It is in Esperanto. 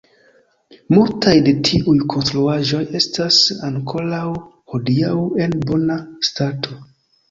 Multaj de tiuj konstruaĵoj estas ankoraŭ hodiaŭ en bona stato.